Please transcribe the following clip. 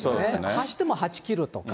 走っても８キロとか。